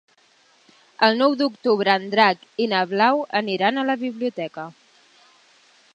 El nou d'octubre en Drac i na Blau aniran a la biblioteca.